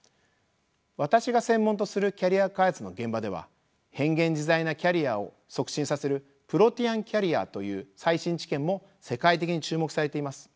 私が専門とするキャリア開発の現場では変幻自在なキャリアを促進させるプロティアン・キャリアという最新知見も世界的に注目されています。